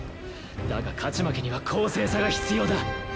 だが勝ち負けには「公正さ」が必要だ。